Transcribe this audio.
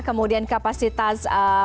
kemudian kapasitas aspek testing tracing